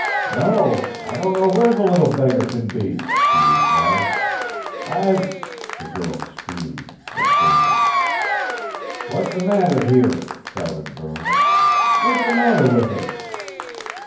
"No, I don't know where the little beggar can be," he replied; "I've " The girl screamed and fainted. "What's the matter here?" shouted Burns. "What's the matter with her?"